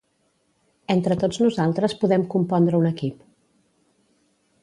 Entre tots nosaltres podem compondre un equip.